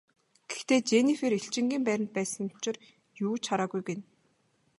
Гэхдээ Женнифер элчингийн байранд байсан учир юу ч хараагүй гэнэ.